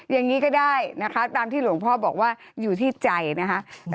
อย่างนี้ก็ได้นะคะตามที่หลวงพ่อบอกว่าอยู่ที่ใจนะคะ